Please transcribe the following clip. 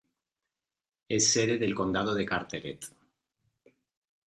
Es sede del condado de Carteret.